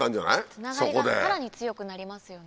つながりがさらに強くなりますよね。